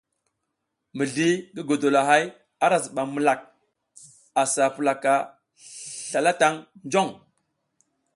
Mizli ngi godola ara zibam milak a sa pulaka slala tang jong.